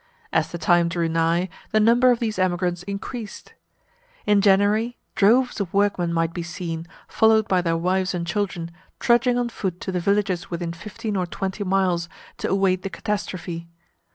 As the time drew nigh, the number of these emigrants increased. In January, droves of workmen might be seen, followed by their wives and children, trudging on foot to the villages within fifteen or twenty miles, to await the catastrophe.